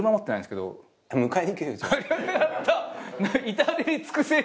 至れり尽くせり。